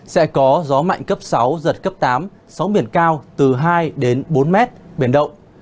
sẽ có gió mạnh cấp sáu giật cấp tám sóng biển cao từ hai đến bốn mét biển động